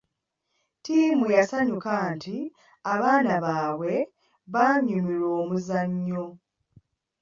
Ttiimi yasanyuka nti abaana baabwe baanyumirwa omuzannyo.